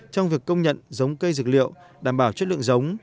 trong việc công nhận giống cây dược liệu đảm bảo chất lượng giống